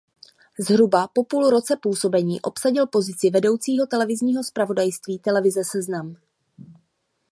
Zhruba po roce působení obsadil pozici vedoucího televizního zpravodajství Televize Seznam.